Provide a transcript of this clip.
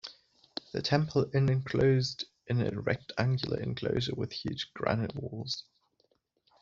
The temple in enclosed in a rectangular enclosure with huge granite walls.